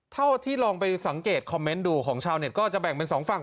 เท่าที่ลองไปสังเกตคอมเมนต์ดูของชาวเน็ตก็จะแบ่งเป็นสองฝั่ง